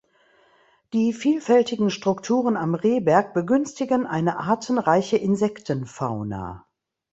Die vielfältigen Strukturen am Rehberg begünstigen eine artenreiche Insektenfauna.